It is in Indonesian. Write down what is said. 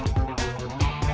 tidak ada yang bisa dikunci